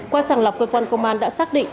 qua sàng lọc cơ quan công an đã xác định